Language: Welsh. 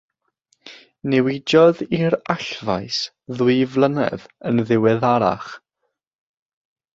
Newidiodd i'r allfaes ddwy flynedd yn ddiweddarach.